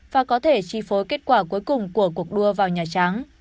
và có thể chi phối kết quả cuối cùng của cuộc đua vào nhà trắng